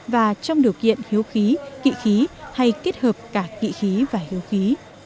và trong điều kiện hiếu khí kỵ khí hay kết hợp cả kỵ khí và hiếu khí